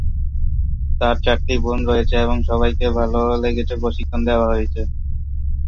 তার চারটি বোন রয়েছে এবং সবাইকে ভাল লেগেছে প্রশিক্ষণ দেওয়া হয়েছে।